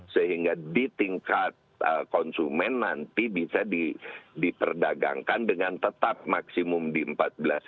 sehingga di tingkat konsumen nanti bisa diperdagangkan dengan tetap maksimum di empat belas